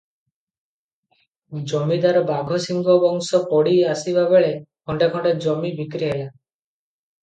ଜମିଦାର ବାଘ ସିଂହ ବଂଶ ପଡ଼ି ଆସିବାବେଳେ ଖଣ୍ତେ ଖଣ୍ତେ ଜମି ବିକ୍ରି ହେଲା ।